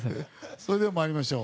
それでは参りましょう。